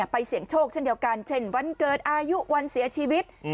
เสี่ยงโชคเช่นเดียวกันเช่นวันเกิดอายุวันเสียชีวิต